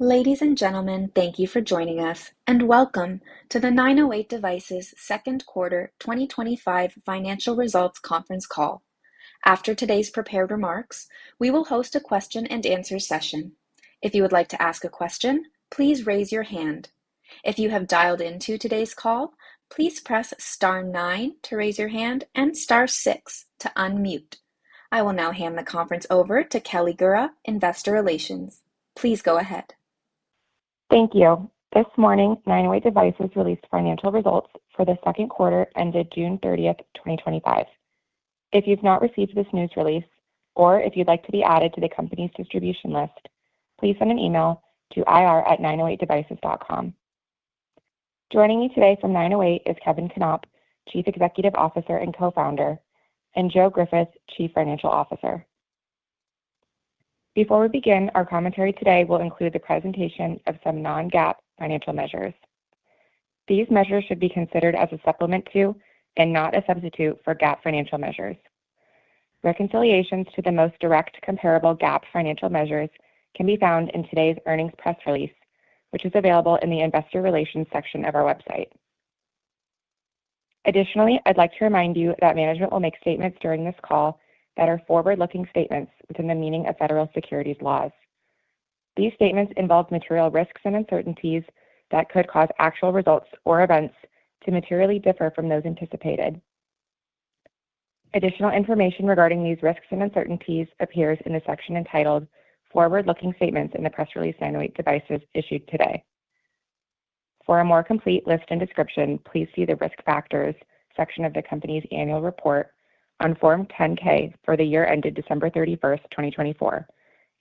Ladies and gentlemen, thank you for joining us and welcome to the 908 Devices Second Quarter 2025 Financial Results Conference Call. After today's prepared remarks, we will host a question-and-answer session. If you would like to ask a question, please raise your hand. If you have dialed into today's call, please press star nine to raise your hand and star six to unmute. I will now hand the conference over to Kelly Gura, Investor Relations. Please go ahead. Thank you. This morning, 908 Devices released financial results for the second quarter ended June 30th, 2025. If you've not received this news release, or if you'd like to be added to the company's distribution list, please send an email to ir@908devices.com. Joining me today from 908 is Kevin Knopp, Chief Executive Officer and Co-Founder, and Joe Griffith, Chief Financial Officer. Before we begin, our commentary today will include the presentation of some non-GAAP financial measures. These measures should be considered as a supplement to and not a substitute for GAAP financial measures. Reconciliations to the most direct comparable GAAP financial measures can be found in today's earnings press release, which is available in the investor relations section of our website. Additionally, I'd like to remind you that management will make statements during this call that are forward-looking statements within the meaning of federal securities laws. These statements involve material risks and uncertainties that could cause actual results or events to materially differ from those anticipated. Additional information regarding these risks and uncertainties appears in the section entitled "Forward-Looking Statements in the Press Release 908 Devices Issued Today." For a more complete list and description, please see the Risk Factors section of the company's annual report on Form 10-K for the year ended December 31st, 2024,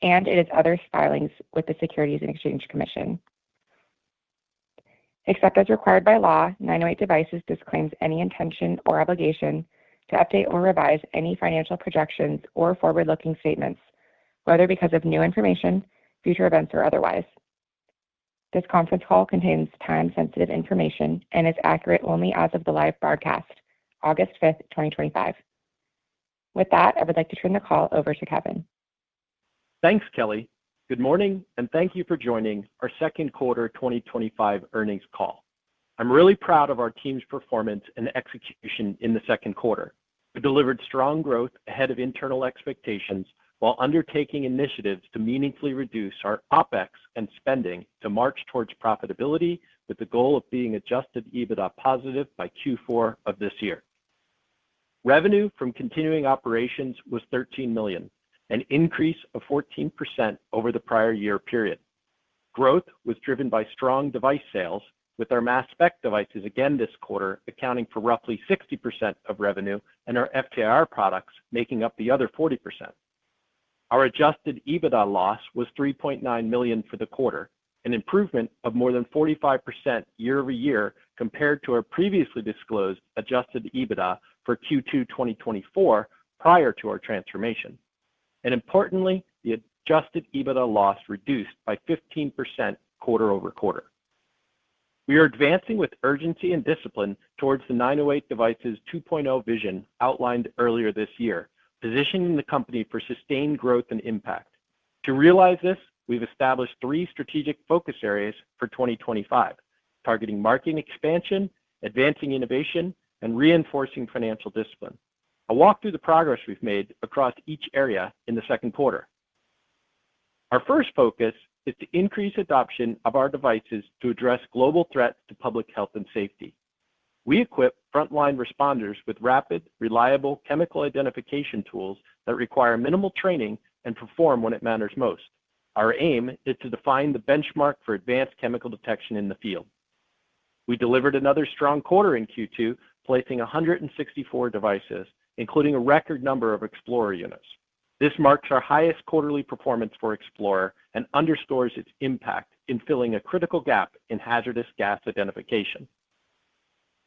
and in its other filings with the Securities and Exchange Commission. Except as required by law, 908 Devices disclaims any intention or obligation to update or revise any financial projections or forward-looking statements, whether because of new information, future events, or otherwise. This conference call contains time-sensitive information and is accurate only as of the live broadcast, August 5th, 2025. With that, I would like to turn the call over to Kevin. Thanks, Kelly. Good morning, and thank you for joining our Second Quarter 2025 Earnings Call. I'm really proud of our team's performance and execution in the second quarter. We delivered strong growth ahead of internal expectations while undertaking initiatives to meaningfully reduce our OpEx and spending to march towards profitability with the goal of being adjusted EBITDA positive by Q4 of this year. Revenue from continuing operations was $13 million, an increase of 14% over the prior year period. Growth was driven by strong device sales, with our mass spec devices again this quarter accounting for roughly 60% of revenue and our FTR products making up the other 40%. Our adjusted EBITDA loss was $3.9 million for the quarter, an improvement of more than 45% year-over-year compared to our previously disclosed adjusted EBITDA for Q2 2024 prior to our transformation. Importantly, the adjusted EBITDA loss reduced by 15% quarter-over-quarter. We are advancing with urgency and discipline towards the 908 Devices 2.0 vision outlined earlier this year, positioning the company for sustained growth and impact. To realize this, we've established three strategic focus areas for 2025, targeting marketing expansion, advancing innovation, and reinforcing financial discipline. I'll walk through the progress we've made across each area in the second quarter. Our first focus is to increase adoption of our devices to address global threats to public health and safety. We equip frontline responders with rapid, reliable chemical identification tools that require minimal training and perform when it matters most. Our aim is to define the benchmark for advanced chemical detection in the field. We delivered another strong quarter in Q2, placing 164 devices, including a record number of XplorlR units. This marks our highest quarterly performance for XplorlR and underscores its impact in filling a critical gap in hazardous gas identification.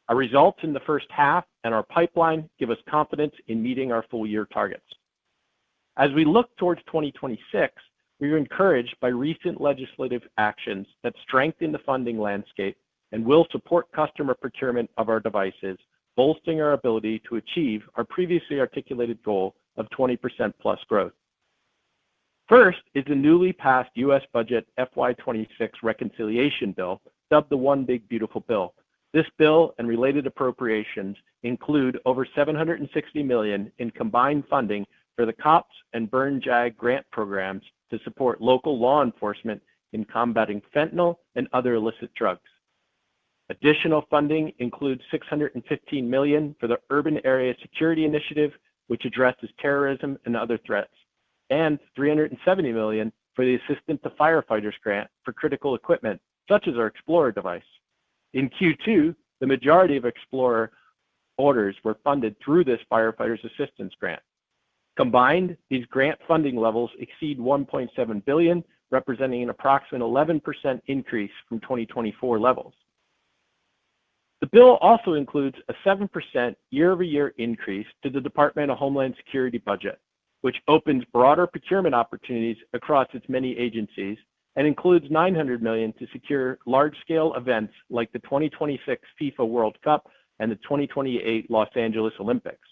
Our results in the first half and our pipeline give us confidence in meeting our full-year targets. As we look towards 2026, we are encouraged by recent legislative actions that strengthen the funding landscape and will support customer procurement of our devices, bolstering our ability to achieve our previously articulated goal of 20%+ growth. First is the newly passed U.S. budget FY 2026 reconciliation bill, dubbed the One Big Beautiful Bill. This bill and related appropriations include over $760 million in combined funding for the COPS and Byrne-JAG grant programs to support local law enforcement in combating fentanyl and other illicit drugs. Additional funding includes $615 million for the Urban Area Security Initiative, which addresses terrorism and other threats, and $370 million for the Assistant to Firefighters Grant for critical equipment, such as our XplorlR device. In Q2, the majority of XplorlR orders were funded through this Firefighters Assistance Grant. Combined, these grant funding levels exceed $1.7 billion, representing an approximate 11% increase from 2024 levels. The bill also includes a 7% year-over-year increase to the Department of Homeland Security budget, which opens broader procurement opportunities across its many agencies and includes $900 million to secure large-scale events like the 2026 FIFA World Cup and the 2028 Los Angeles Olympics.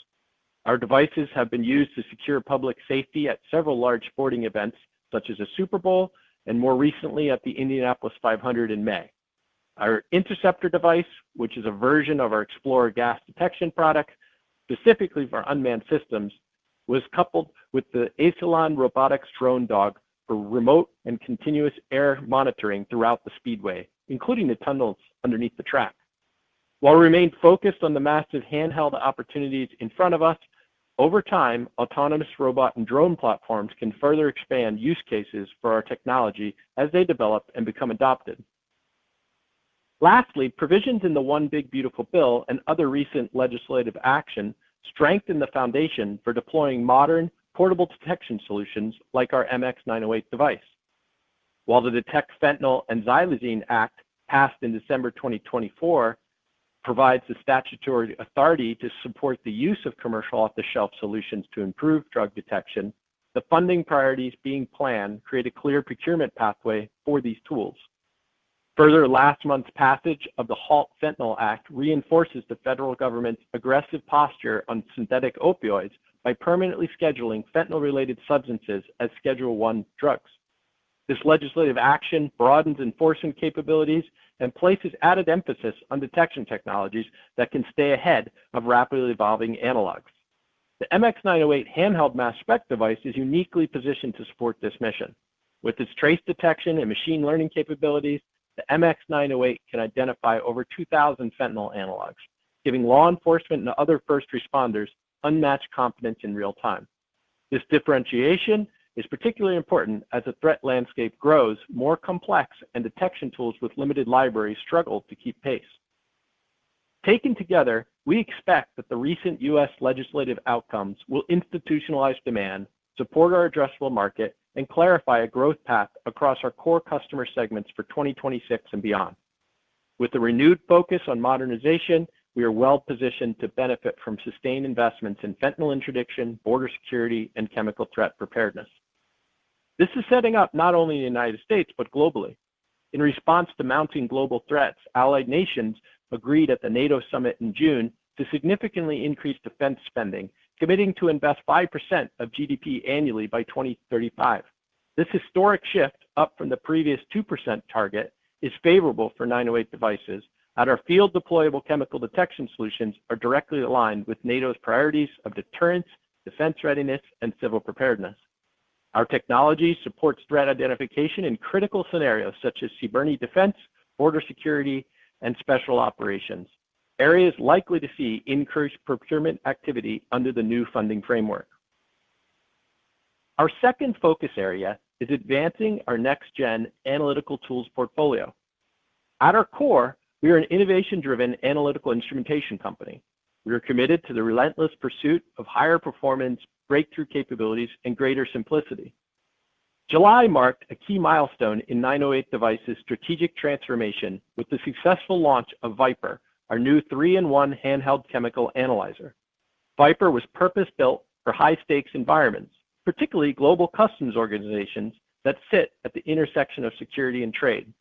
Our devices have been used to secure public safety at several large sporting events, such as a Super Bowl and more recently at the Indianapolis 500 in May. Our interceptor device, which is a version of our XplorlR gas detection product specifically for unmanned systems, was coupled with the Asylon robotics drone dog for remote and continuous air monitoring throughout the speedway, including the tunnels underneath the track. While we remain focused on the massive handheld opportunities in front of us, over time, autonomous robot and drone platforms can further expand use cases for our technology as they develop and become adopted. Lastly, provisions in the One Big Beautiful Bill and other recent legislative action strengthen the foundation for deploying modern, portable detection solutions like our MX908 device. While the DETECT Fentanyl and Xylazine Act, passed in December 2024, provides the statutory authority to support the use of commercial off-the-shelf solutions to improve drug detection, the funding priorities being planned create a clear procurement pathway for these tools. Further, last month's passage of the HALT Fentanyl Act reinforces the federal government's aggressive posture on synthetic opioids by permanently scheduling fentanyl-related substances as Schedule I drugs. This legislative action broadens enforcement capabilities and places added emphasis on detection technologies that can stay ahead of rapidly evolving analogs. The MX908 handheld mass spec device is uniquely positioned to support this mission. With its trace detection and machine learning capabilities, the MX908 can identify over 2,000 fentanyl analogs, giving law enforcement and other first responders unmatched confidence in real time. This differentiation is particularly important as the threat landscape grows more complex and detection tools with limited libraries struggle to keep pace. Taken together, we expect that the recent U.S. legislative outcomes will institutionalize demand, support our addressable market, and clarify a growth path across our core customer segments for 2026 and beyond. With a renewed focus on modernization, we are well-positioned to benefit from sustained investments in fentanyl interdiction, border security, and chemical threat preparedness. This is setting up not only in the U.S., but globally. In response to mounting global threats, allied nations agreed at the NATO summit in June to significantly increase defense spending, committing to invest 5% of GDP annually by 2035. This historic shift, up from the previous 2% target, is favorable for 908 Devices, as our field-deployable chemical detection solutions are directly aligned with NATO's priorities of deterrence, defense readiness, and civil preparedness. Our technology supports threat identification in critical scenarios such as suburban defense, border security, and special operations, areas likely to see increased procurement activity under the new funding framework. Our second focus area is advancing our next-gen analytical tools portfolio. At our core, we are an innovation-driven analytical instrumentation company. We are committed to the relentless pursuit of higher performance, breakthrough capabilities, and greater simplicity. July marked a key milestone in 908 Devices' strategic transformation with the successful launch of VipIR, our new three-in-one handheld chemical analyzer. VipIR was purpose-built for high-stakes environments, particularly global customs organizations that sit at the intersection of security and trade.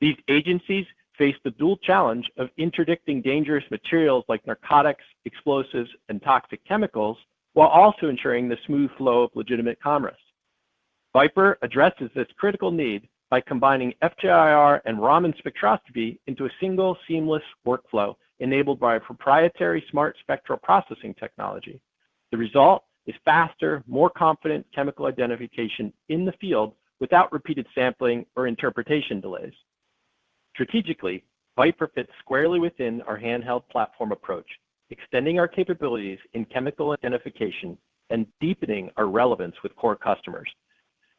These agencies face the dual challenge of interdicting dangerous materials like narcotics, explosives, and toxic chemicals, while also ensuring the smooth flow of legitimate commerce. VipIR addresses this critical need by combining FTR and Raman spectroscopy into a single, seamless workflow, enabled by a proprietary smart spectral processing technology. The result is faster, more confident chemical identification in the field without repeated sampling or interpretation delays. Strategically, VipIR fits squarely within our handheld platform approach, extending our capabilities in chemical identification and deepening our relevance with core customers.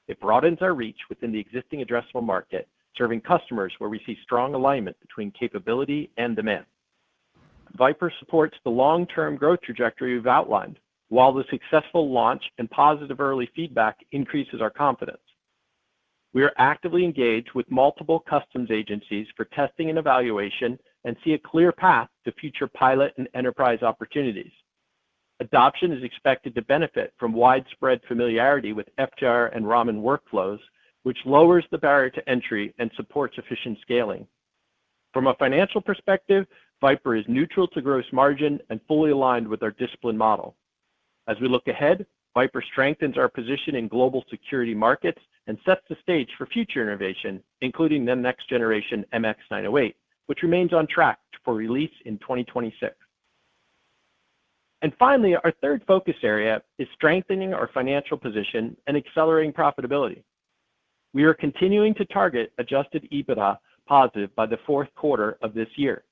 It broadens our reach within the existing addressable market, serving customers where we see strong alignment between capability and demand. VipIR supports the long-term growth trajectory we've outlined, while the successful launch and positive early feedback increase our confidence. We are actively engaged with multiple customs agencies for testing and evaluation and see a clear path to future pilot and enterprise opportunities. Adoption is expected to benefit from widespread familiarity with FTR and Raman workflows, which lowers the barrier to entry and supports efficient scaling. From a financial perspective, VipIR is neutral to gross margin and fully aligned with our discipline model. As we look ahead, VipIR strengthens our position in global security markets and sets the stage for future innovation, including the next-generation MX908, which remains on track for release in 2026. Our third focus area is strengthening our financial position and accelerating profitability. We are continuing to target adjusted EBITDA positive by the fourth quarter of this year.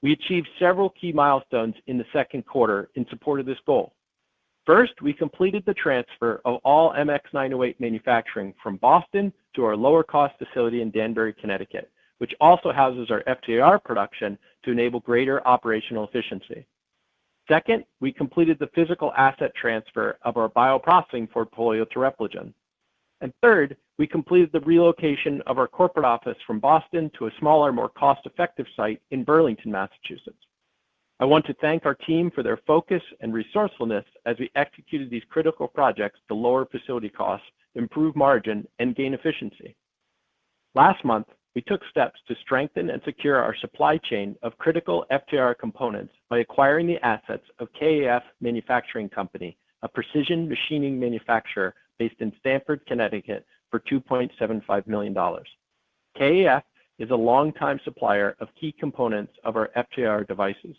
We achieved several key milestones in the second quarter in support of this goal. First, we completed the transfer of all MX908 manufacturing from Boston to our lower-cost facility in Danbury, Connecticut, which also houses our FTR production to enable greater operational efficiency. Second, we completed the physical asset transfer of our bioprocessing portfolio to Repligen. Third, we completed the relocation of our corporate office from Boston to a smaller, more cost-effective site in Burlington, Massachusetts. I want to thank our team for their focus and resourcefulness as we executed these critical projects to lower facility costs, improve margin, and gain efficiency. Last month, we took steps to strengthen and secure our supply chain of critical FTR components by acquiring the assets of KAF Manufacturing, a precision machining manufacturer based in Stamford, Connecticut, for $2.75 million. KAF is a long-time supplier of key components of our FTR devices.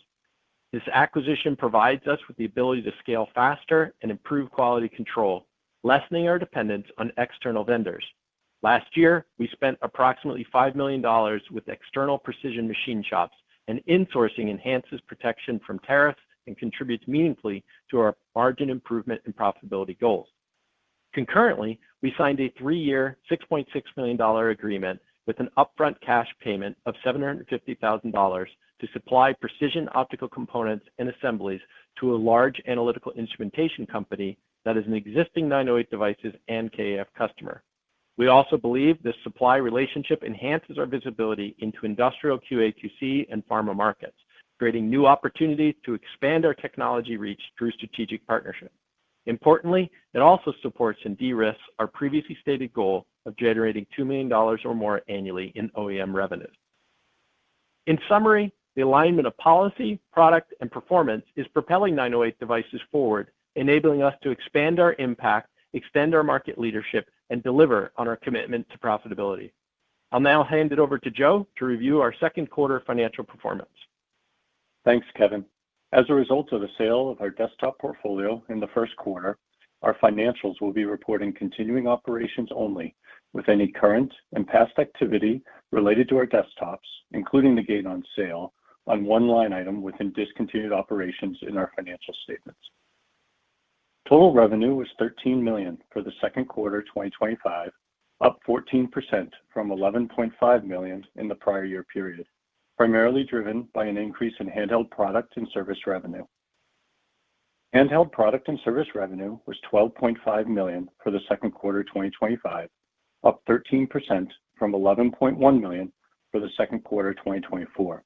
This acquisition provides us with the ability to scale faster and improve quality control, lessening our dependence on external vendors. Last year, we spent approximately $5 million with external precision machine shops, and insourcing enhances protection from tariffs and contributes meaningfully to our margin improvement and profitability goals. Concurrently, we signed a three-year, $6.6 million agreement with an upfront cash payment of $750,000 to supply precision optical components and assemblies to a large analytical instrumentation company that is an existing 908 Devices and KAF customer. We also believe this supply relationship enhances our visibility into industrial QA/QC and pharma markets, creating new opportunities to expand our technology reach through strategic partnership. Importantly, it also supports and de-risks our previously stated goal of generating $2 million or more annually in OEM revenues. In summary, the alignment of policy, product, and performance is propelling 908 Devices forward, enabling us to expand our impact, extend our market leadership, and deliver on our commitment to profitability. I'll now hand it over to Joe to review our second quarter financial performance. Thanks, Kevin. As a result of the sale of our desktop portfolio in the first quarter, our financials will be reporting continuing operations only, with any current and past activity related to our desktops, including the gain on sale, on one line item within discontinued operations in our financial statements. Total revenue was $13 million for the second quarter 2025, up 14% from $11.5 million in the prior year period, primarily driven by an increase in handheld product and service revenue. Handheld product and service revenue was $12.5 million for the second quarter 2025, up 13% from $11.1 million for the second quarter 2024.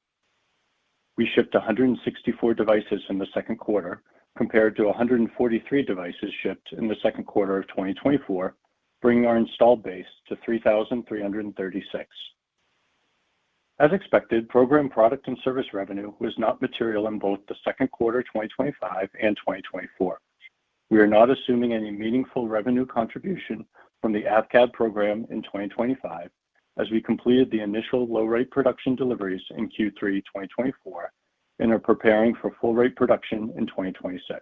We shipped 164 devices in the second quarter, compared to 143 devices shipped in the second quarter of 2024, bringing our installed base to 3,336. As expected, program product and service revenue was not material in both the second quarter 2025 and 2024. We are not assuming any meaningful revenue contribution from the AVCAD program in 2025, as we completed the initial low-rate production deliveries in Q3 2024 and are preparing for full-rate production in 2026.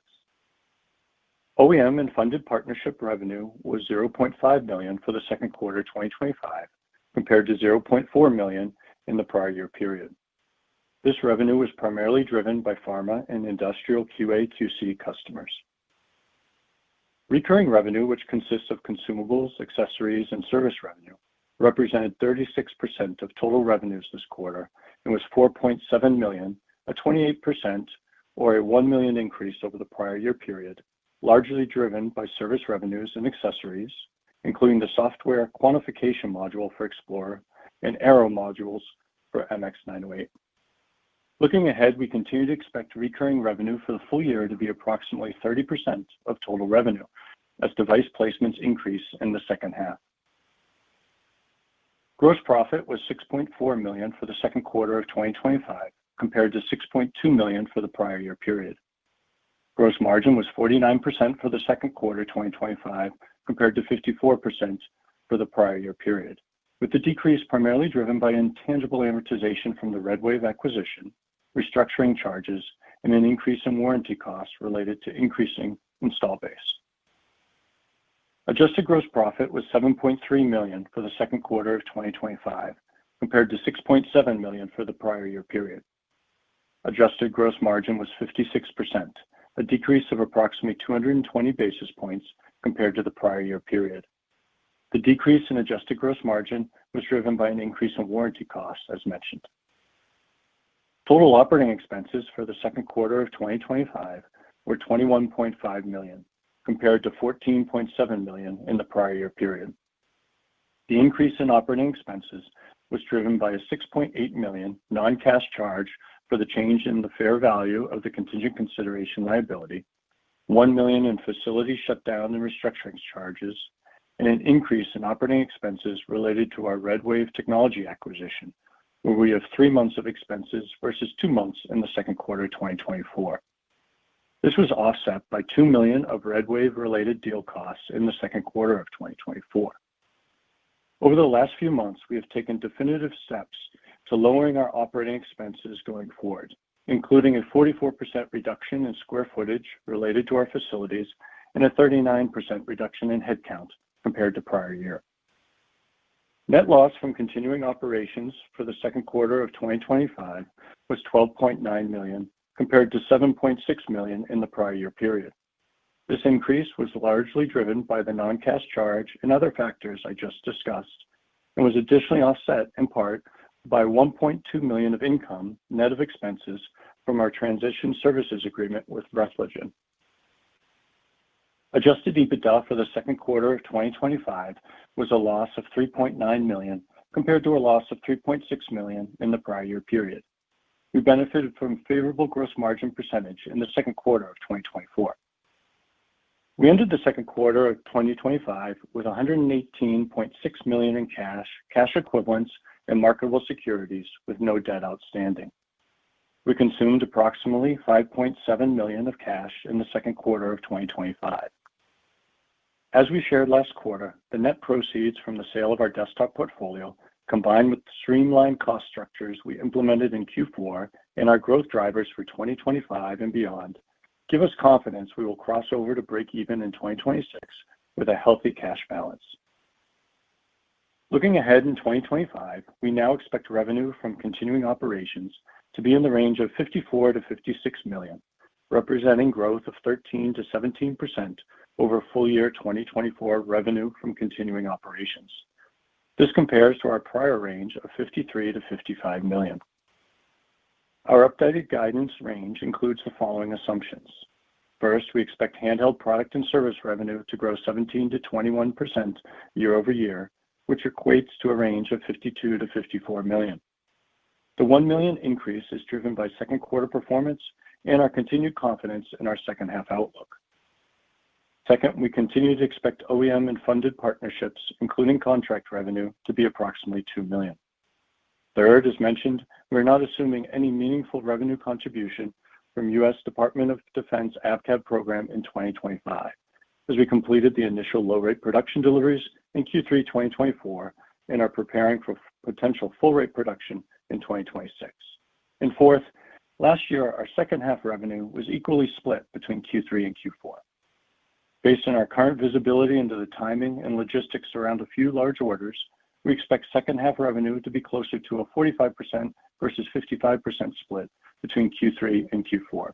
OEM and funded partnership revenue was $0.5 million for the second quarter 2025, compared to $0.4 million in the prior year period. This revenue was primarily driven by pharma and industrial QA/QC customers. Recurring revenue, which consists of consumables, accessories, and service revenue, represented 36% of total revenues this quarter and was $4.7 million, a 28% or a $1 million increase over the prior year period, largely driven by service revenues and accessories, including the software quantification module for XplorlR and Aero modules for MX908. Looking ahead, we continue to expect recurring revenue for the full year to be approximately 30% of total revenue, as device placements increase in the second half. Gross profit was $6.4 million for the second quarter of 2025, compared to $6.2 million for the prior year period. Gross margin was 49% for the second quarter 2025, compared to 54% for the prior year period, with the decrease primarily driven by intangible amortization from the RedWave acquisition, restructuring charges, and an increase in warranty costs related to increasing install base. Adjusted gross profit was $7.3 million for the second quarter of 2025, compared to $6.7 million for the prior year period. Adjusted gross margin was 56%, a decrease of approximately 220 basis points compared to the prior year period. The decrease in adjusted gross margin was driven by an increase in warranty costs, as mentioned. Total operating expenses for the second quarter of 2025 were $21.5 million, compared to $14.7 million in the prior year period. The increase in operating expenses was driven by a $6.8 million non-cash charge for the change in the fair value of the contingent consideration liability, $1 million in facility shutdown and restructuring charges, and an increase in operating expenses related to our RedWave Technology acquisition, where we have three months of expenses versus two months in the second quarter of 2024. This was offset by $2 million of RedWave-related deal costs in the second quarter of 2024. Over the last few months, we have taken definitive steps to lower our operating expenses going forward, including a 44% reduction in square footage related to our facilities and a 39% reduction in headcount compared to prior year. Net loss from continuing operations for the second quarter of 2025 was $12.9 million, compared to $7.6 million in the prior year period. This increase was largely driven by the non-cash charge and other factors I just discussed and was additionally offset in part by $1.2 million of income, net of expenses, from our transition services agreement with Repligen. Adjusted EBITDA for the second quarter of 2025 was a loss of $3.9 million, compared to a loss of $3.6 million in the prior year period. We benefited from a favorable gross margin percentage in the second quarter of 2024. We ended the second quarter of 2025 with $118.6 million in cash, cash equivalents, and marketable securities, with no debt outstanding. We consumed approximately $5.7 million of cash in the second quarter of 2025. As we shared last quarter, the net proceeds from the sale of our desktop portfolio, combined with the streamlined cost structures we implemented in Q4 and our growth drivers for 2025 and beyond, give us confidence we will cross over to break even in 2026 with a healthy cash balance. Looking ahead in 2025, we now expect revenue from continuing operations to be in the range of $54 million-$56 million, representing growth of 13%-17% over full-year 2024 revenue from continuing operations. This compares to our prior range of $53 million-$55 million. Our updated guidance range includes the following assumptions. First, we expect handheld product and service revenue to grow 17%-21% year-over-year, which equates to a range of $52 million-$54 million. The $1 million increase is driven by second quarter performance and our continued confidence in our second half outlook. Second, we continue to expect OEM and funded partnerships, including contract revenue, to be approximately $2 million. Third, as mentioned, we are not assuming any meaningful revenue contribution from the U.S. Department of Defense AVCAD program in 2025, as we completed the initial low-rate production deliveries in Q3 2024 and are preparing for potential full-rate production in 2026. Fourth, last year, our second half revenue was equally split between Q3 and Q4. Based on our current visibility into the timing and logistics around a few large orders, we expect second half revenue to be closer to a 45% versus 55% split between Q3 and Q4.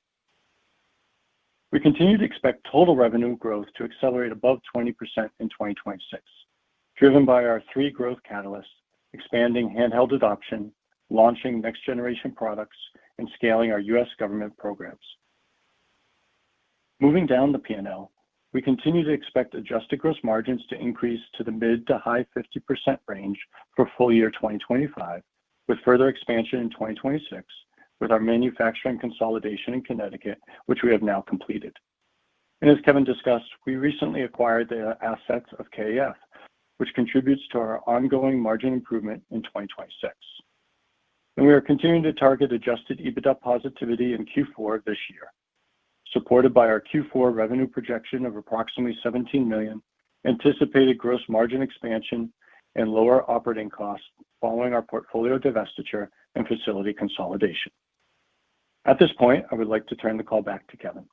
We continue to expect total revenue growth to accelerate above 20% in 2026, driven by our three growth catalysts: expanding handheld adoption, launching next-generation products, and scaling our U.S. government programs. Moving down the P&L, we continue to expect adjusted gross margins to increase to the mid to high 50% range for full-year 2025, with further expansion in 2026 with our manufacturing consolidation in Connecticut, which we have now completed. As Kevin discussed, we recently acquired the assets of KAF, which contributes to our ongoing margin improvement in 2026. We are continuing to target adjusted EBITDA positivity in Q4 this year, supported by our Q4 revenue projection of approximately $17 million, anticipated gross margin expansion, and lower operating costs following our portfolio divestiture and facility consolidation. At this point, I would like to turn the call back to Kevin.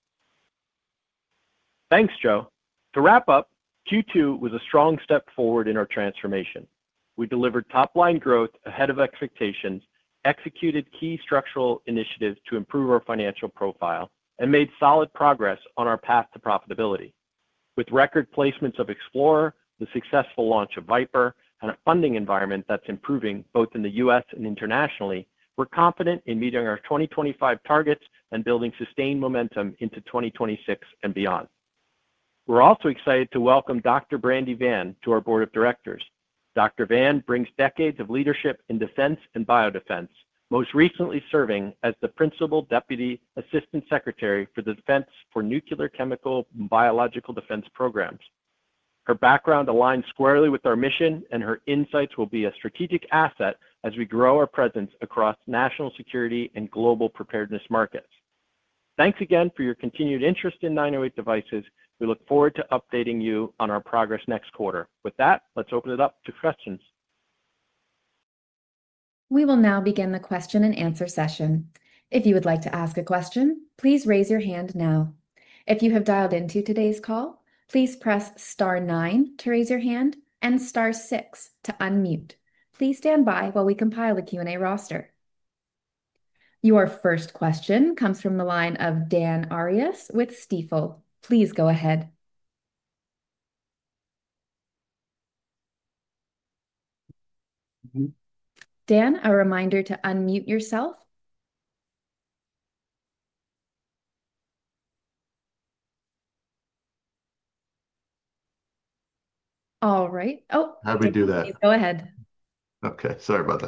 Thanks, Joe. To wrap up, Q2 was a strong step forward in our transformation. We delivered top-line growth ahead of expectations, executed key structural initiatives to improve our financial profile, and made solid progress on our path to profitability. With record placements of XplorlR, the successful launch of VipIR, and a funding environment that's improving both in the U.S. and internationally, we're confident in meeting our 2025 targets and building sustained momentum into 2026 and beyond. We're also excited to welcome Dr. Brandi Vann to our Board of Directors. Dr. Vann brings decades of leadership in defense and biodefense, most recently serving as the Principal Deputy Assistant Secretary for the Defense for Nuclear, Chemical, and Biological Defense Programs. Her background aligns squarely with our mission, and her insights will be a strategic asset as we grow our presence across national security and global preparedness markets. Thanks again for your continued interest in 908 Devices. We look forward to updating you on our progress next quarter. With that, let's open it up to questions. We will now begin the question and answer session. If you would like to ask a question, please raise your hand now. If you have dialed into today's call, please press star nine to raise your hand and star six to unmute. Please stand by while we compile the Q&A roster. Your first question comes from the line of Dan Arias with Stifel. Please go ahead. Dan, a reminder to unmute yourself. All right. How do we do that? Go ahead. Okay. Sorry about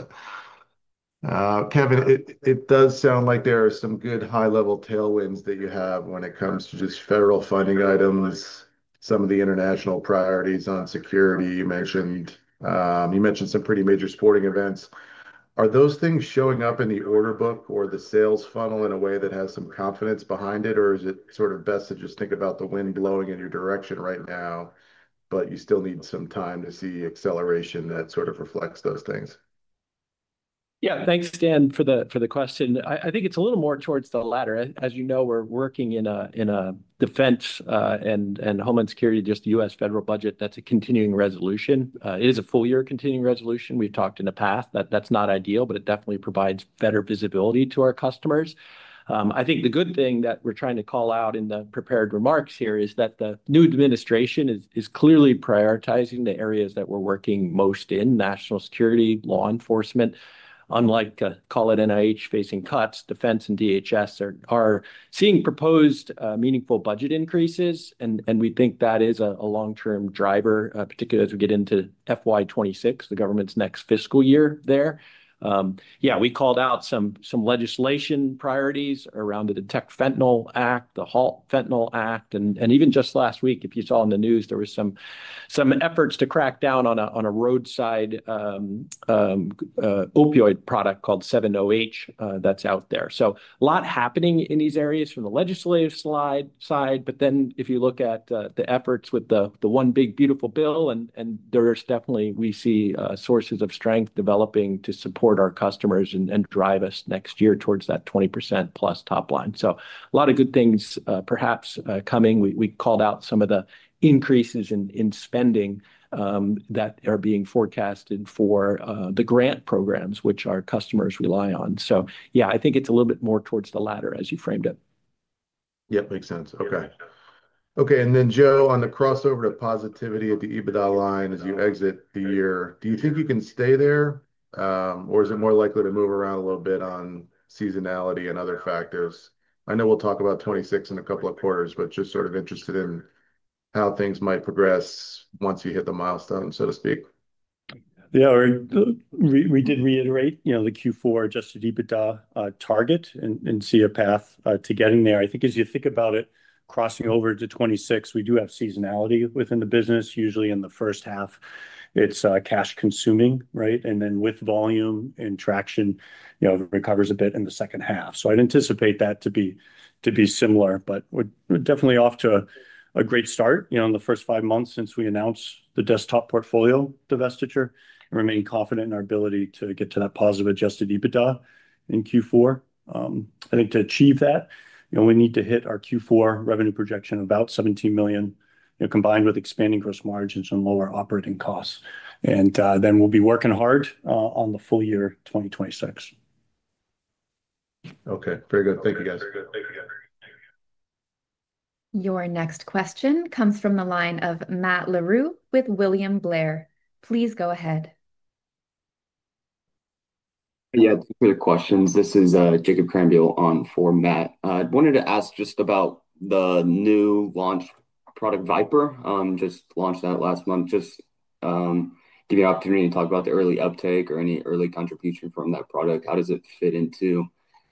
that. Kevin, it does sound like there are some good high-level tailwinds that you have when it comes to just federal funding items, some of the international priorities on security you mentioned. You mentioned some pretty major sporting events. Are those things showing up in the order book or the sales funnel in a way that has some confidence behind it, or is it sort of best to just think about the wind blowing in your direction right now, but you still need some time to see acceleration that sort of reflects those things? Yeah, thanks, Dan, for the question. I think it's a little more towards the latter. As you know, we're working in defense and homeland security, just the U.S. federal budget, that's a continuing resolution. It is a full-year continuing resolution. We've talked in the past that that's not ideal, but it definitely provides better visibility to our customers. I think the good thing that we're trying to call out in the prepared remarks here is that the new administration is clearly prioritizing the areas that we're working most in: national security, law enforcement. Unlike, call it NIH, facing cuts, defense and DHS are seeing proposed meaningful budget increases, and we think that is a long-term driver, particularly as we get into FY 2026, the government's next fiscal year there. We called out some legislation priorities around the DETECT Fentanyl Act, the HALT Fentanyl Act, and even just last week, if you saw in the news, there were some efforts to crack down on a roadside opioid product called 708 that's out there. A lot is happening in these areas from the legislative side, but then if you look at the efforts with the One Big Beautiful Bill, we see sources of strength developing to support our customers and drive us next year towards that 20%+ top line. A lot of good things perhaps coming. We called out some of the increases in spending that are being forecasted for the grant programs, which our customers rely on. I think it's a little bit more towards the latter, as you framed it. Yep, makes sense. Okay, and then Joe, on the crossover to positivity at the EBITDA line, as you exit the year, do you think you can stay there, or is it more likely to move around a little bit on seasonality and other factors? I know we'll talk about 2026 in a couple of quarters, but just sort of interested in how things might progress once you hit the milestone, so to speak. Yeah, we did reiterate, you know, the Q4 adjusted EBITDA target and see a path to getting there. I think as you think about it, crossing over to 2026, we do have seasonality within the business. Usually in the first half, it's cash-consuming, right? With volume and traction, it recovers a bit in the second half. I'd anticipate that to be similar, but we're definitely off to a great start in the first five months since we announced the desktop portfolio divestiture and remain confident in our ability to get to that positive adjusted EBITDA in Q4. I think to achieve that, you know, we need to hit our Q4 revenue projection of about $17 million, combined with expanding gross margins and lower operating costs. We'll be working hard on the full year 2026. Okay, very good. Thank you, guys. Your next question comes from the line of Matt Larew with William Blair. Please go ahead. Yeah, we have questions. This is Jacob Krahenbuhl on for Matt. I wanted to ask just about the new launch product, VipIR, just launched that last month. Just give me an opportunity to talk about the early uptake or any early contribution from that product. How does it fit into,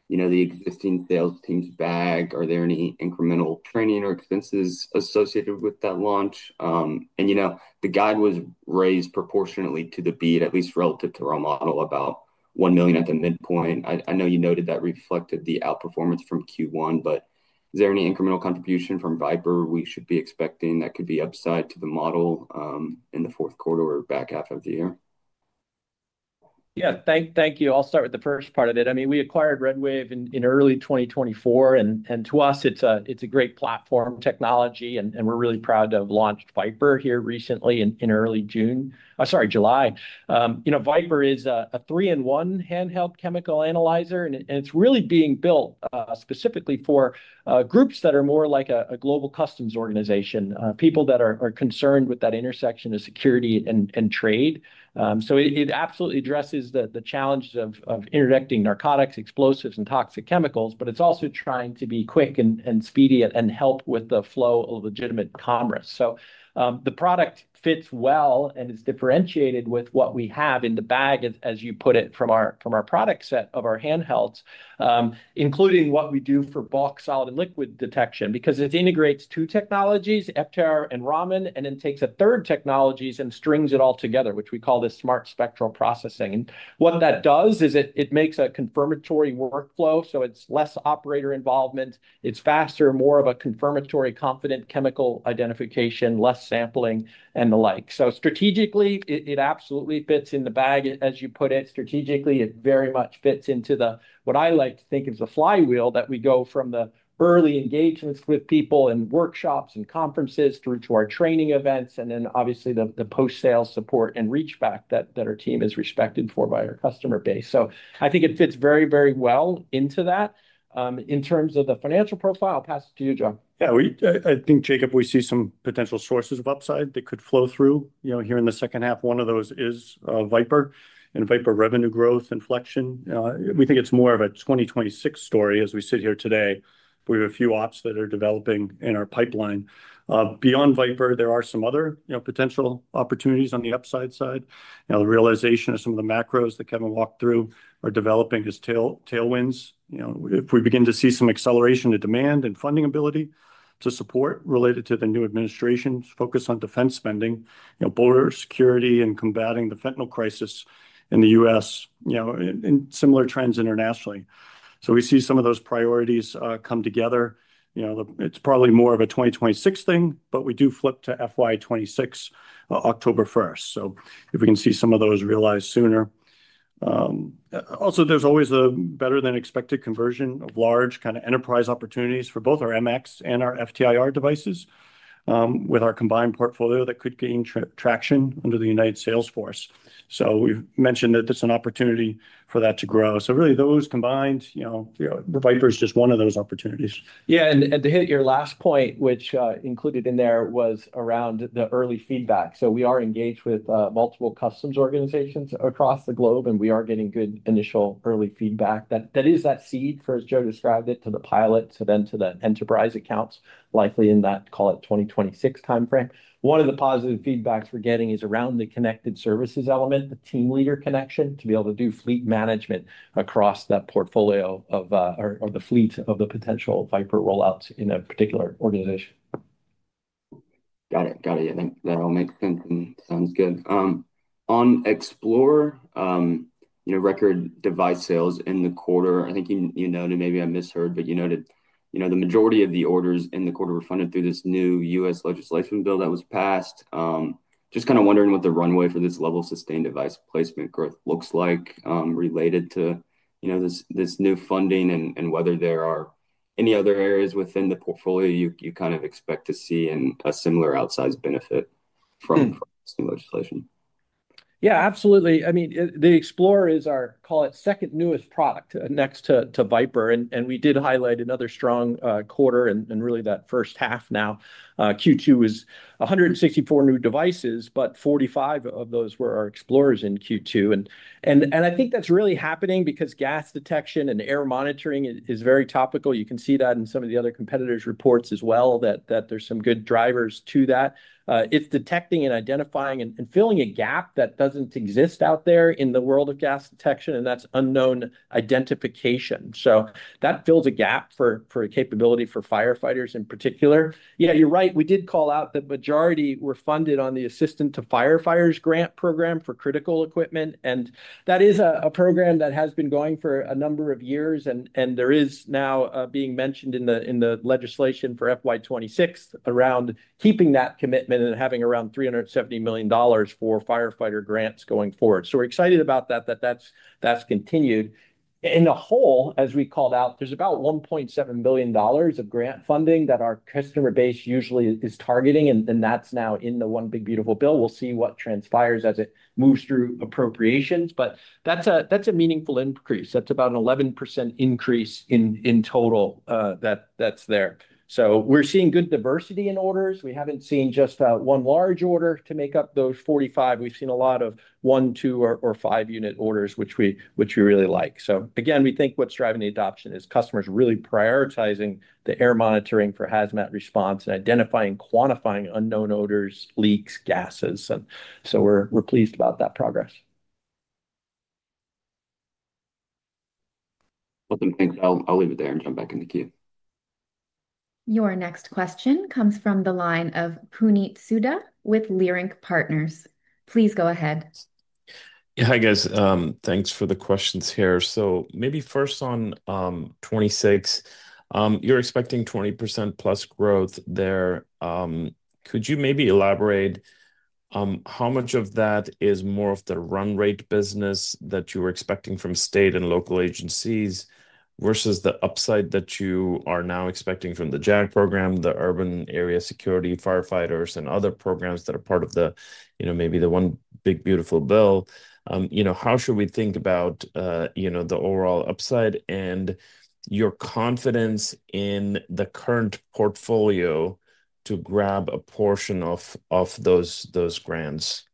you know, the existing sales team's bag? Are there any incremental training or expenses associated with that launch? You know, the guide was raised proportionately to the beat, at least relative to our model, about $1 million at the midpoint. I know you noted that reflected the outperformance from Q1, but is there any incremental contribution from VipIR we should be expecting that could be upside to the model in the fourth quarter or back half of the year? Yeah, thank you. I'll start with the first part of it. I mean, we acquired RedWave in early 2024, and to us, it's a great platform technology, and we're really proud to have launched VipIR here recently in early July. You know, VipIR is a three-in-one handheld chemical analyzer, and it's really being built specifically for groups that are more like a global customs organization, people that are concerned with that intersection of security and trade. It absolutely addresses the challenge of interdicting narcotics, explosives, and toxic chemicals, but it's also trying to be quick and speedy and help with the flow of legitimate commerce. The product fits well and is differentiated with what we have in the bag, as you put it, from our product set of our handhelds, including what we do for bulk, solid, and liquid detection, because it integrates two technologies, FTR and Raman, and then takes a third technology and strings it all together, which we call this smart spectral processing. What that does is it makes a confirmatory workflow, so it's less operator involvement. It's faster, more of a confirmatory, confident chemical identification, less sampling, and the like. Strategically, it absolutely fits in the bag, as you put it. Strategically, it very much fits into what I like to think is the flywheel that we go from the early engagements with people and workshops and conferences through to our training events, and then obviously the post-sale support and reach back that our team is respected for by our customer base. I think it fits very, very well into that. In terms of the financial profile, I'll pass it to you, Joe. Yeah, I think, Jacob, we see some potential sources of upside that could flow through here in the second half. One of those is VipIR and VipIR revenue growth inflection. We think it's more of a 2026 story as we sit here today. We have a few ops that are developing in our pipeline. Beyond VipIR, there are some other potential opportunities on the upside side. The realization of some of the macros that Kevin walked through are developing as tailwinds. If we begin to see some acceleration to demand and funding ability to support related to the new administration's focus on defense spending, border security, and combating the fentanyl crisis in the U.S., and similar trends internationally, we see some of those priorities come together. It's probably more of a 2026 thing, but we do flip to FY 2026, October 1st. If we can see some of those realized sooner. Also, there's always a better-than-expected conversion of large kind of enterprise opportunities for both our MX and our FTR devices with our combined portfolio that could gain traction under the united Salesforce. We've mentioned that it's an opportunity for that to grow. Really, those combined, VipIR is just one of those opportunities. Yeah, to hit your last point, which included in there was around the early feedback. We are engaged with multiple customs organizations across the globe, and we are getting good initial early feedback. That is that seed, for as Joe described it, to the pilot, to then to the enterprise accounts, likely in that, call it, 2026 timeframe. One of the positive feedbacks we're getting is around the connected services element, the team leader connection, to be able to do fleet management across that portfolio of the fleet of the potential VipIR rollouts in a particular organization. Got it, got it. Yeah, that all makes sense and sounds good. On XplorlR, you know, record device sales in the quarter. I think you noted, maybe I misheard, but you noted, you know, the majority of the orders in the quarter were funded through this new U.S. legislation bill that was passed. Just kind of wondering what the runway for this level of sustained device placement growth looks like related to, you know, this new funding and whether there are any other areas within the portfolio you kind of expect to see in a similar outsized benefit from this new legislation. Yeah, absolutely. I mean, the XplorlR is our, call it, second newest product next to VipIR, and we did highlight another strong quarter and really that first half now. Q2 was 164 new devices, but 45 of those were our XplorlRs in Q2. I think that's really happening because gas detection and air monitoring is very topical. You can see that in some of the other competitors' reports as well, that there's some good drivers to that. It's detecting and identifying and filling a gap that doesn't exist out there in the world of gas detection, and that's unknown identification. That fills a gap for a capability for firefighters in particular. Yeah, you're right. We did call out that the majority were funded on the Assistant to Firefighters Grant Program for critical equipment, and that is a program that has been going for a number of years, and there is now being mentioned in the legislation for FY 2026 around keeping that commitment and having around $370 million for firefighter grants going forward. We're excited about that, that that's continued. In a whole, as we called out, there's about $1.7 billion of grant funding that our customer base usually is targeting, and that's now in the One Big Beautiful Bill. We'll see what transpires as it moves through appropriations, but that's a meaningful increase. That's about an 11% increase in total that's there. We're seeing good diversity in orders. We haven't seen just that one large order to make up those 45. We've seen a lot of one, two, or five-unit orders, which we really like. Again, we think what's driving the adoption is customers really prioritizing the air monitoring for hazmat response and identifying and quantifying unknown odors, leaks, gases. We're pleased about that progress. Awesome. Thanks. I'll leave it there and jump back in the queue. Your next question comes from the line of Puneet Souda with Leerink Partners. Please go ahead. Yeah, hi guys. Thanks for the questions here. Maybe first on 2026, you're expecting 20%+ growth there. Could you maybe elaborate how much of that is more of the run-rate business that you were expecting from state and local agencies versus the upside that you are now expecting from the JAG program, the urban area security firefighters, and other programs that are part of the, you know, maybe the One Big Beautiful Bill? How should we think about the overall upside and your confidence in the current portfolio to grab a portion of those grants?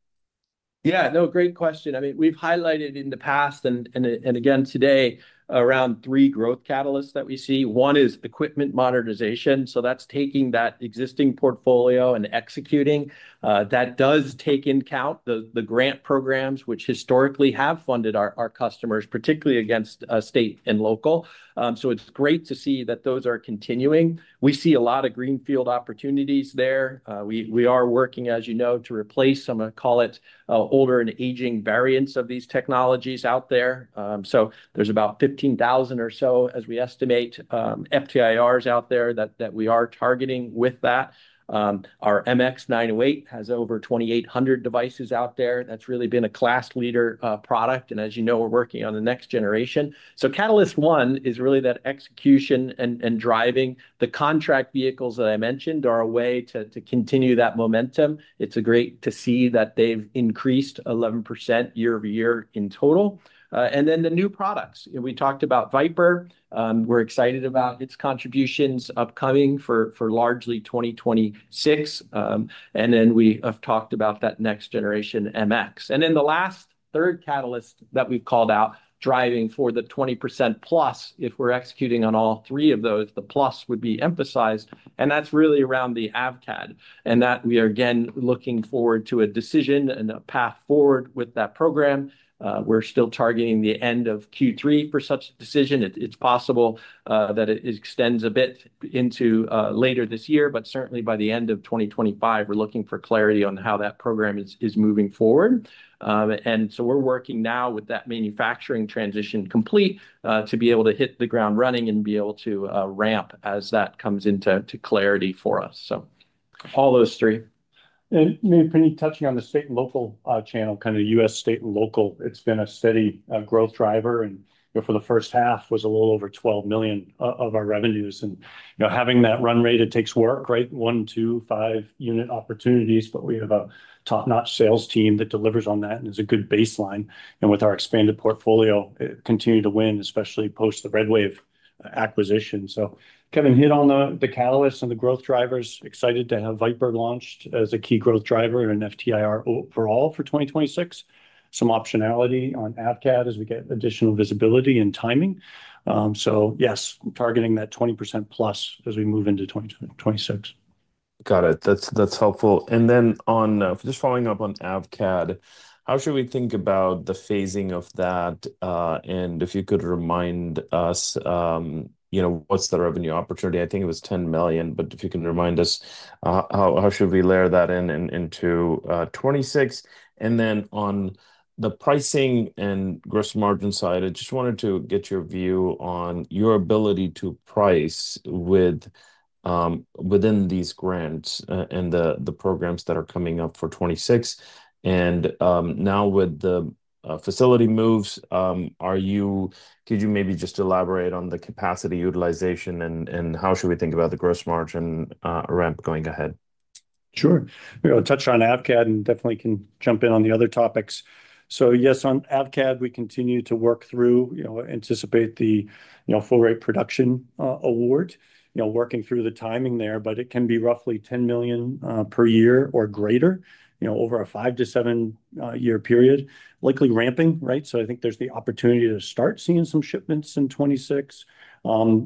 Yeah, no, great question. I mean, we've highlighted in the past and again today around three growth catalysts that we see. One is equipment modernization. That's taking that existing portfolio and executing. That does take in count the grant programs, which historically have funded our customers, particularly against state and local. It's great to see that those are continuing. We see a lot of greenfield opportunities there. We are working, as you know, to replace some, call it, older and aging variants of these technologies out there. There's about 15,000 or so, as we estimate, FTRs out there that we are targeting with that. Our MX908 has over 2,800 devices out there. That's really been a class leader product. As you know, we're working on the next generation. Catalyst One is really that execution and driving. The contract vehicles that I mentioned are a way to continue that momentum. It's great to see that they've increased 11% year-over-year in total. The new products, we talked about VipIR. We're excited about its contributions upcoming for largely 2026. We have talked about that next generation MX. The last third catalyst that we've called out, driving for the 20%+, if we're executing on all three of those, the plus would be emphasized. That's really around the AVCAD. We are again looking forward to a decision and a path forward with that program. We're still targeting the end of Q3 for such a decision. It's possible that it extends a bit into later this year, but certainly by the end of 2025, we're looking for clarity on how that program is moving forward. We're working now with that manufacturing transition complete to be able to hit the ground running and be able to ramp as that comes into clarity for us. All those three. Maybe touching on the state and local channel, kind of U.S. state and local, it's been a steady growth driver. For the first half, it was a little over $12 million of our revenues. Having that run rate, it takes work, right? One, two, five-unit opportunities, but we have a top-notch sales team that delivers on that and is a good baseline. With our expanded portfolio, continue to win, especially post the RedWave acquisition. Kevin hit on the catalysts and the growth drivers. Excited to have VipIR launched as a key growth driver and FTR for all for 2026. Some optionality on AVCAD as we get additional visibility and timing. Yes, targeting that 20%+ as we move into 2026. Got it. That's helpful. On just following up on AVCAD, how should we think about the phasing of that? If you could remind us, you know, what's the revenue opportunity? I think it was $10 million, but if you can remind us, how should we layer that in into 2026? On the pricing and gross margin side, I just wanted to get your view on your ability to price within these grants and the programs that are coming up for 2026. Now with the facility moves, could you maybe just elaborate on the capacity utilization and how should we think about the gross margin ramp going ahead? Sure. We'll touch on AVCAD and definitely can jump in on the other topics. Yes, on AVCAD, we continue to work through, you know, anticipate the full-rate production award, you know, working through the timing there, but it can be roughly $10 million per year or greater, you know, over a five to seven-year period, likely ramping, right? I think there's the opportunity to start seeing some shipments in 2026.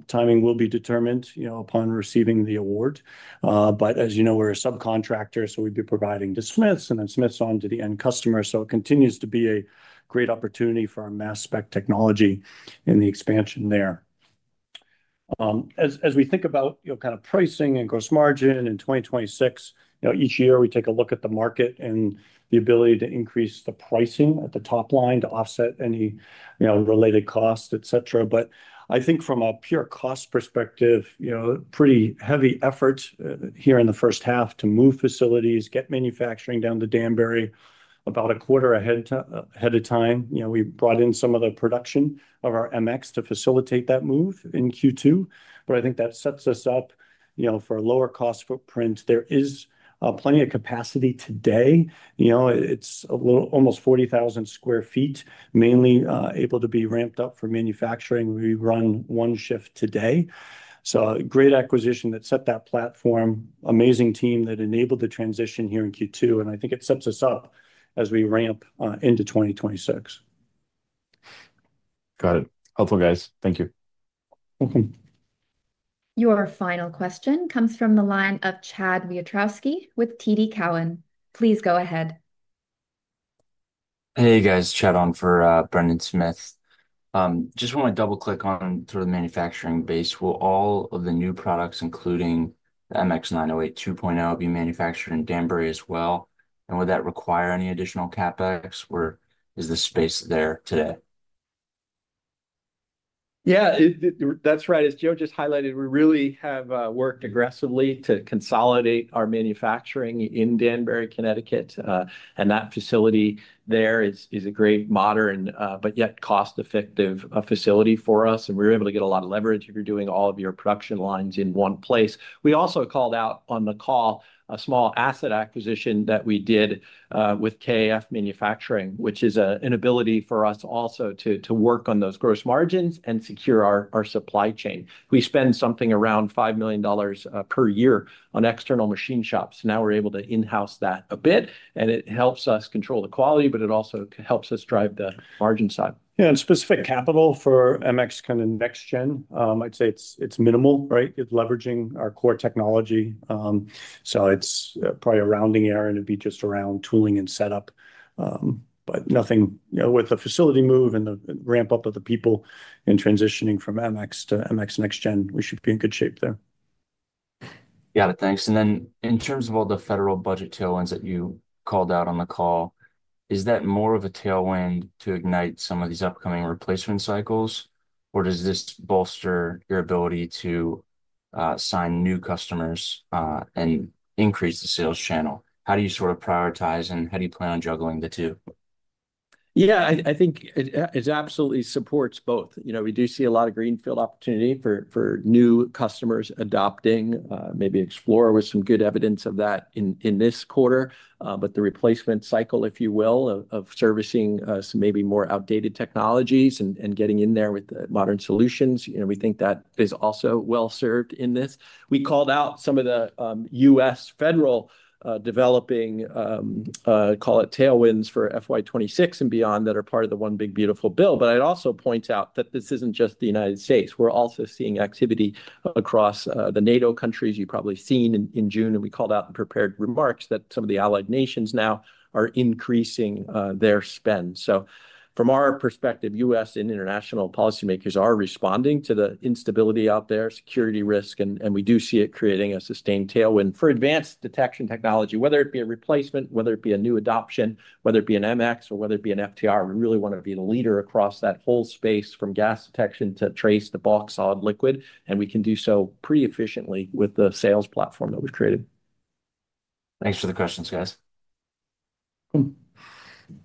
Timing will be determined, you know, upon receiving the award. As you know, we're a subcontractor, so we'd be providing to Smiths and then Smiths on to the end customer. It continues to be a great opportunity for our mass spec technology and the expansion there. As we think about, you know, kind of pricing and gross margin in 2026, you know, each year we take a look at the market and the ability to increase the pricing at the top line to offset any, you know, related costs, et cetera. I think from a pure cost perspective, you know, pretty heavy effort here in the first half to move facilities, get manufacturing down to Danbury about a quarter ahead of time. We brought in some of the production of our MX908 to facilitate that move in Q2, but I think that sets us up, you know, for a lower cost footprint. There is plenty of capacity today. It's almost 40,000 sq ft, mainly able to be ramped up for manufacturing. We run one shift today. A great acquisition that set that platform, amazing team that enabled the transition heanre in Q2, and I think it sets us up as we ramp into 2026. Got it. Helpful, guys. Thank you. Welcome. Your final question comes from the line of Chad Wiatrowski with TD Cowen. Please go ahead. Hey guys, Chad on for Brendan Smith. Just want to double click on through the manufacturing base. Will all of the new products, including the MX908 2.0, be manufactured in Danbury as well? Would that require any additional CapEx, or is the space there today? Yeah, that's right. As Joe just highlighted, we really have worked aggressively to consolidate our manufacturing in Danbury, Connecticut, and that facility there is a great, modern, but yet cost-effective facility for us. We were able to get a lot of leverage if you're doing all of your production lines in one place. We also called out on the call a small asset acquisition that we did with KAF Manufacturing, which is an ability for us also to work on those gross margins and secure our supply chain. We spend something around $5 million per year on external machine shops. Now we're able to in-house that a bit, and it helps us control the quality, but it also helps us drive the margin side. Yeah, and specific capital for MX908 kind of next gen, I'd say it's minimal, right? It's leveraging our core technology. It's probably a rounding error, and it'd be just around tooling and setup. Nothing, you know, with the facility move and the ramp-up of the people and transitioning from MX908 to MX908 next gen, we should be in good shape there. Got it. Thanks. In terms of all the federal budget tailwinds that you called out on the call, is that more of a tailwind to ignite some of these upcoming replacement cycles, or does this bolster your ability to sign new customers and increase the sales channel? How do you sort of prioritize, and how do you plan on juggling the two? Yeah, I think it absolutely supports both. We do see a lot of greenfield opportunity for new customers adopting maybe XplorlR with some good evidence of that in this quarter. The replacement cycle, if you will, of servicing some maybe more outdated technologies and getting in there with modern solutions, we think that is also well served in this. We called out some of the U.S. federal developing, call it, tailwinds for FY 2026 and beyond that are part of the One Big Beautiful Bill. I'd also point out that this isn't just the United States. We're also seeing activity across the NATO countries. You've probably seen in June, and we called out in prepared remarks that some of the allied nations now are increasing their spend. From our perspective, U.S. and international policymakers are responding to the instability out there, security risk, and we do see it creating a sustained tailwind for advanced detection technology, whether it be a replacement, a new adoption, an MX908, or an FTR. We really want to be the leader across that whole space from gas detection to trace, the bulk, solid, liquid, and we can do so pretty efficiently with the sales platform that we've created. Thanks for the questions, guys.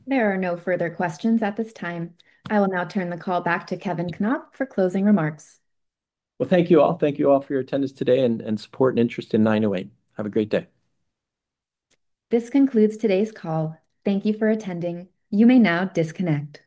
There are no further questions at this time. I will now turn the call back to Kevin Knopp for closing remarks. Thank you all for your attendance today and support and interest in 908. Have a great day. This concludes today's call. Thank you for attending. You may now disconnect.